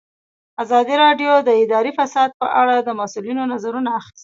ازادي راډیو د اداري فساد په اړه د مسؤلینو نظرونه اخیستي.